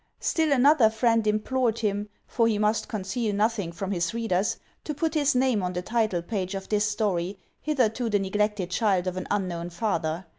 Still another friend implored him — for he must conceal nothing from his readers — to put his name on the titlepage of this story, hitherto the neglected child of an unknown father.